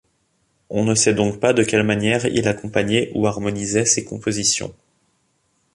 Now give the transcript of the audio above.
On ne sait donc pas de quelle manière il accompagnait ou harmonisait ses compositions.